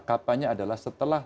kapannya adalah setelah